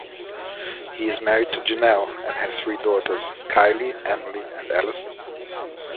He is married to Janelle and has three daughters, Kylie, Emily and Allyson.